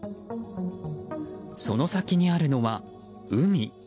その先にあるのは、海。